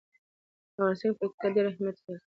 په افغانستان کې پکتیکا ډېر اهمیت لري.